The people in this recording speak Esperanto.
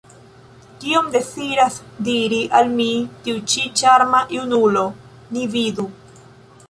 Kion deziras diri al mi tiu ĉi ĉarma junulo? Ni vidu!